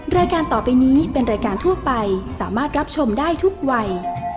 รายการต่อไปนี้เป็นรายการทั่วไปสามารถรับชมได้ทุกวัย